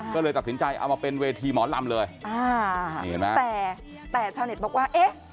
ก็เลยตัดสินใจเอามาเป็นเวทีหมอลำเลยอ่านี่เห็นไหมแต่แต่ชาวเน็ตบอกว่าเอ๊ะ